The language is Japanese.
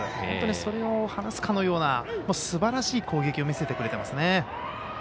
本当にそれを晴らすのようなすばらしい攻撃を見せてくれてますね。